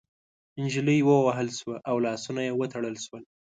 نجلۍ ووهل شوه او لاسونه يې وتړل شول.